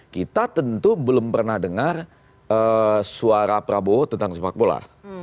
kita tentu belum pernah dengar suara prabowo tentang sepak bola